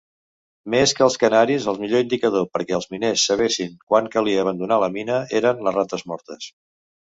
Més que els canaris, el millor indicador perquè els miners sabessin quan calia abandonar la mina eren les rates mortes.